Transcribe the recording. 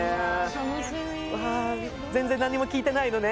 楽しみ全然何も聞いてないのね？